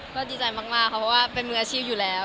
ก็ดีใจมากเพราะว่าเป็นมืออาชีพอยู่แล้ว